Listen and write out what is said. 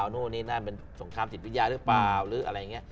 นู้นนี่น่าเป็นสงครามจิตวิทยาหรือเปล่ารู้ป่าวฮะ